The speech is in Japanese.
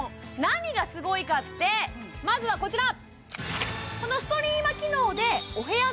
何がすごいかってまずはこちら